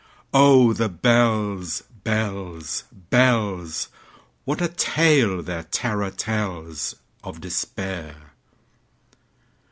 Oh, the bells, bells, bells! What a tale their terror tellsOf Despair!